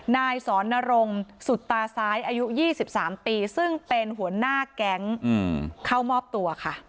นายสอนนรงสุตาซ้ายอายุ๒๓ปีซึ่งเป็นหัวหน้าแก๊งเข้ามอบตัวค่ะ